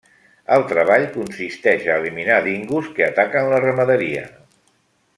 El treball consisteix a eliminar dingos que ataquen la ramaderia.